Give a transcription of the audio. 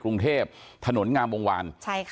กรุงเทพถนนงามวงวาน